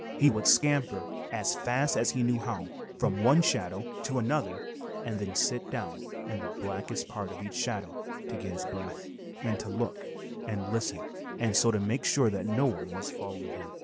He would scamper as fast as he knew how from one shadow to another and then sit down in the blackest part of each shadow to get his breath, and to look and listen and so make sure that no one was following him.